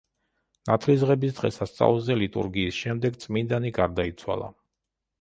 ნათლისღების დღესასწაულზე, ლიტურგიის შემდეგ, წმიდანი გარდაიცვალა.